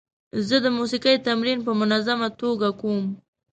زه د موسیقۍ تمرین په منظمه توګه کوم.